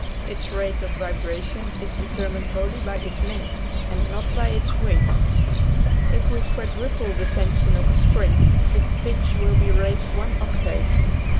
Its rate of vibration is de termined wholly by its length and not by its weight. If we quadruple the tension of a string its pitch will be raised one octave.